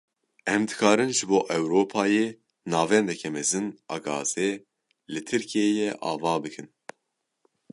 Em dikarin ji bo Ewropayê navendeke mezin a gazê li Tirkiyeyê ava bikin.